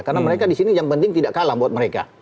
karena mereka disini yang penting tidak kalah buat mereka